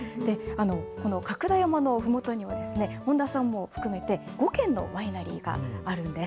この角田山のふもとに、本多さんも含めて５軒のワイナリーがあるんです。